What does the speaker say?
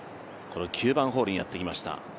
９番ホールにやってきました。